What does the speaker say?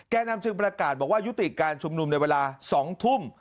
นำจึงประกาศบอกว่ายุติการชุมนุมในเวลา๒ทุ่ม